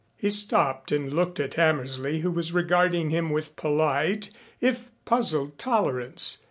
He stopped and looked at Hammersley who was regarding him with polite, if puzzled tolerance.